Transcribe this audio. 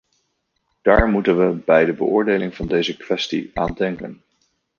Daar moeten we bij de beoordeling van deze kwestie aan denken.